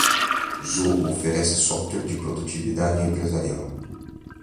Zoho oferece software de produtividade empresarial.